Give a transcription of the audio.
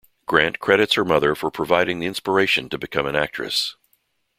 Grant credits her mother for providing the inspiration to become an actress.